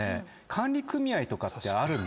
管理組合とかってあるんで。